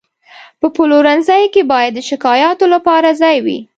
په پلورنځي کې باید د شکایاتو لپاره ځای وي.